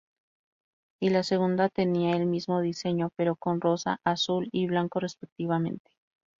Y la segunda tenía el mismo diseño, pero con rosa, azul y blanco respectivamente.